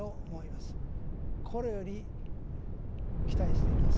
心より期待しています。